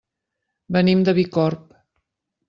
Venim de Bicorb.